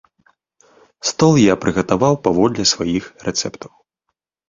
Стол я прыгатаваў паводле сваіх рэцэптаў.